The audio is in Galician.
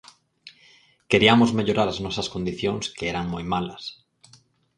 Queriamos mellorar as nosas condicións que eran moi malas.